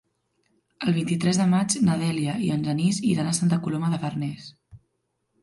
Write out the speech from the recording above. El vint-i-tres de maig na Dèlia i en Genís iran a Santa Coloma de Farners.